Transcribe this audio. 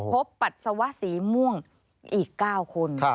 ปัสสาวะสีม่วงอีก๙คน